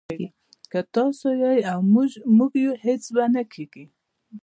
که تاسو يئ او موږ يو نو هيڅ به نه کېږي